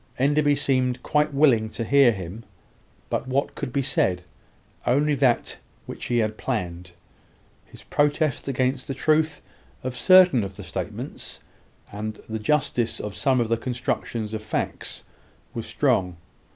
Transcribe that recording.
Enderby seemed quite willing to hear him; but what could be said? Only that which he had planned. His protest against the truth of certain of the statements, and the justice of some of the constructions of facts, was strong.